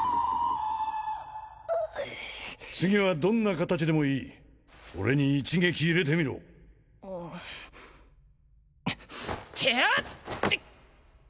次はどんな形でもいい俺に一撃入れてみろてやっ！